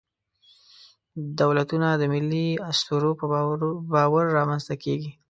دولتونه د ملي اسطورو په باور رامنځ ته کېږي.